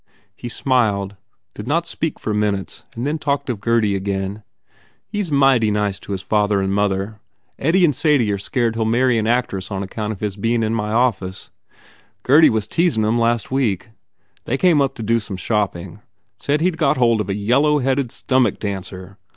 He smiled, did not speak for minutes and then talked of Gurdy again, "He s mighty nice to his father and mother. Eddie and Sadie are scared he ll marry an actress on account of his bein in my office. Gurdy was teasin them last week They came up to do some shopping. Said he d got hold of a yellow headed stomach dancer.